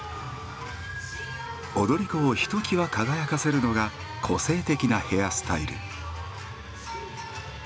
踊り子をひときわ輝かせるのが個性的なヘアスタイル。